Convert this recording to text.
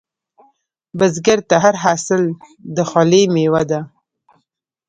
بزګر ته هر حاصل د خولې میوه ده